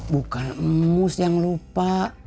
bukan emus yang lupa